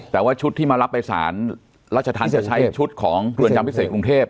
แต่ว่าชุดที่มารับไปสารราชธรรมจะใช้ชุดของเรือนจำพิเศษกรุงเทพ